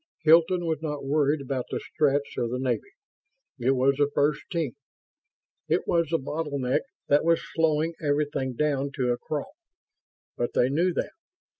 Hilton was not worried about the Stretts or the Navy. It was the First Team. It was the bottleneck that was slowing everything down to a crawl ... but they knew that.